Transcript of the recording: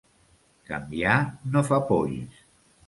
Canviar no fa polls.